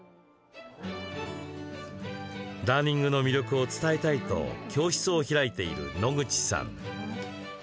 ダーニングの魅力を伝えたいと教室を開いている野口さん。